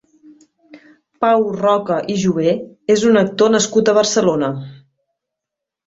Pau Roca i Jover és un actor nascut a Barcelona.